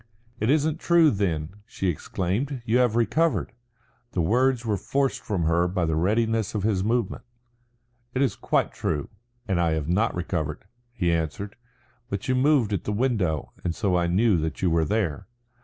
"It isn't true, then," she exclaimed. "You have recovered." The words were forced from her by the readiness of his movement. "It is quite true, and I have not recovered," he answered. "But you moved at the window and so I knew that you were there."